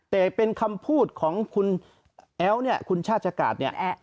แต่เป็นคำพูดของคุณแอ๋วคุณชาชกาศ